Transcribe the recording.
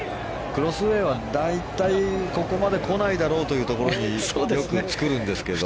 クロスウェーは大体、ここまで来ないだろうというところに作るんですけど。